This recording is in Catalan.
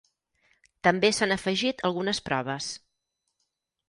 També s'han afegit algunes proves.